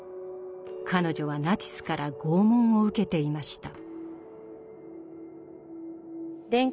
彼女はナチスから拷問を受けていました。